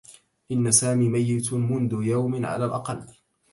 إنّ سامي ميّت منذ يوم على الأقل.